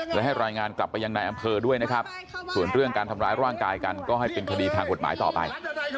และให้รายงานกลับไปยังนายอำเภอด้วยนะครับส่วนเรื่องการทำร้ายร่างกายกันก็ให้เป็นคดีทางกฎหมายต่อไป